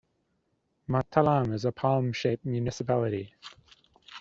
Matalam is a palm shape municipality.